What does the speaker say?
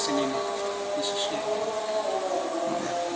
karena dengan vaksinasi ini